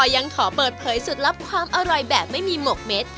ยังขอเปิดเผยสูตรลับความอร่อยแบบไม่มีหมกเม็ด